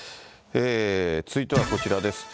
続いてはこちらです。